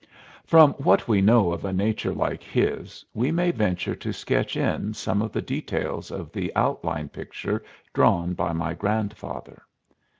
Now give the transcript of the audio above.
From what we know of a nature like his we may venture to sketch in some of the details of the outline picture drawn by my grandfather.